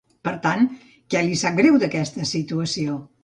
Per tant, què li sap greu d'aquesta situació?